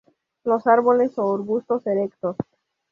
Los árboles o arbustos erectos.